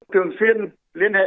thường xuyên liên hệ